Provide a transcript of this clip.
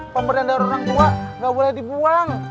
pemberian dari orang tua nggak boleh dibuang